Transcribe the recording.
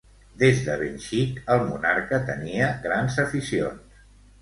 Des de ben xic el monarca tenia grans aficions.